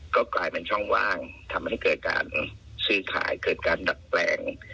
ก็กลายเป็นช่องว่างทำให้เกิดการซื้อขายเกิดการดัดแปลง